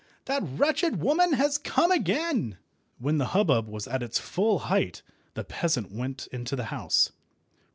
that wretched woman has come again!" When the hubbub was at its full height the peasant went into the house.